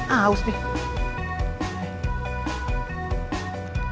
nanti aku berusaha kayak gini